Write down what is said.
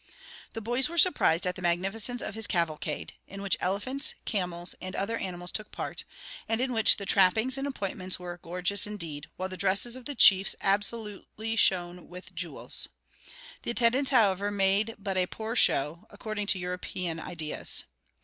The boys were surprised at the magnificence of his cavalcade, in which elephants, camels, and other animals took part, and in which the trappings and appointments were gorgeous, indeed, while the dresses of the chiefs absolutely shone with jewels. The attendants, however, made but a poor show, according to European ideas.